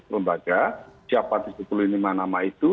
perlombaga siapa disimpulkan nama itu